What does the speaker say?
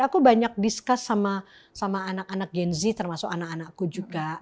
aku banyak discuss sama anak anak gen z termasuk anak anakku juga